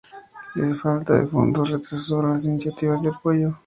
La falta de fondos retrasó las iniciativas de apoyo.